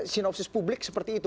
sinopsis publik seperti itu